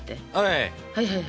はい！